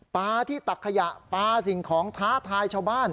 ที่ตักขยะปลาสิ่งของท้าทายชาวบ้าน